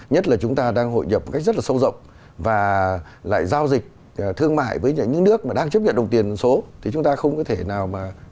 nhất là chúng ta đang hội nhập một cách rất là sâu rộng và lại giao dịch thương mại với những nước mà đang chấp nhận đồng tiền số thì chúng ta không có thể nào mà